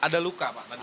ada luka pak